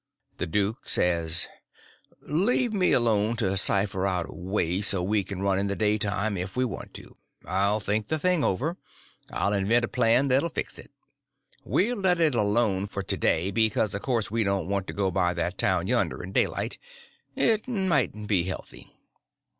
The duke says: "Leave me alone to cipher out a way so we can run in the daytime if we want to. I'll think the thing over—I'll invent a plan that'll fix it. We'll let it alone for to day, because of course we don't want to go by that town yonder in daylight—it mightn't be healthy."